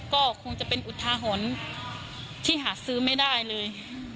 ก็คงจะเป็นอุทาหรณ์ที่หาซื้อไม่ได้เลย